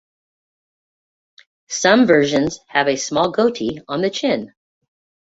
Some versions have a small goatee on the chin.